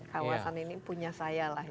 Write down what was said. kawasan ini punya saya lah